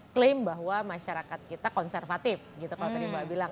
klaim bahwa masyarakat kita konservatif gitu kalau tadi mbak bilang